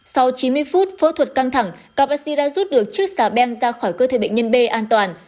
sau chín mươi phút phẫu thuật căng thẳng các bác sĩ đã rút được chiếc xà ben ra khỏi cơ thể bệnh nhân b an toàn